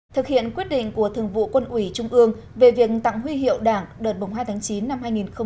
thực hiện quyết định của thường vụ quân ủy trung ương về việc tặng huy hiệu đảng đợt hai tháng chín năm hai nghìn một mươi chín